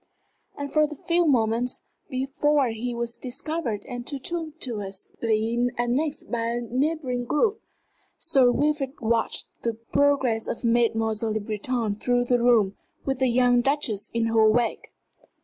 And for a few moments, before he was discovered and tumultuously annexed by a neighboring group, Sir Wilfrid watched the progress of Mademoiselle Le Breton through the room, with the young Duchess in her wake.